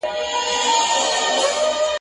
ویل زه یو ځلي ځمه تر بازاره ..